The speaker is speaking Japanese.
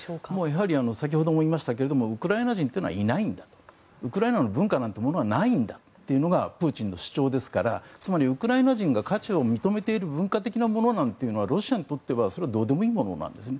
やはり先ほども言いましたけどウクライナ人というのはいないんだウクライナの文化なんてものはないんだというのがプーチンの主張ですからつまりウクライナ人が価値を認めている文化的なものなんていうのはロシアにとってはどうでもいいものなんですね。